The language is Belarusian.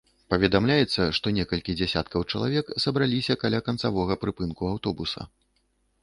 Паведамляецца, што некалькі дзясяткаў чалавек сабраліся каля канцавога прыпынку аўтобуса.